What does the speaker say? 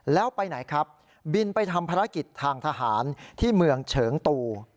แล้วไปไหนครับบินไปทำภารกิจทางทหารที่เมืองเฉิงตู